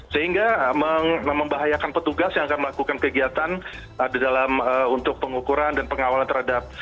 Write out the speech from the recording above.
sehingga membahayakan petugas yang akan melakukan kegiatan untuk pengukuran dan pengawalan terhadap